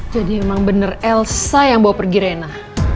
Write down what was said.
jadi emang bener elsa yang bawa pergi rena